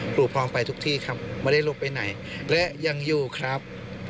ครูพร้อมไปทุกที่ครับไม่ได้หลบไปไหนและยังอยู่ครับ